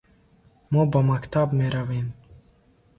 Мо ба мактаб меравем.